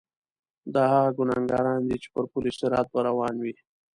دا هغه ګناګاران دي چې پر پل صراط به روان وي.